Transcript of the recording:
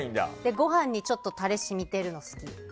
ご飯にちょっとタレが染みてるの好き。